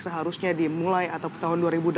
seharusnya dimulai atau tahun dua ribu delapan belas